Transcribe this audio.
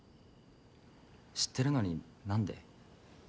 知ってるのに何で？